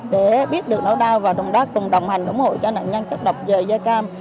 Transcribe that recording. để biết được nỗi đau và đồng hành ủng hộ cho nạn nhân chất độc da cam